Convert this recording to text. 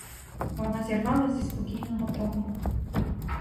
Вона зірвалась зі спокійного тону.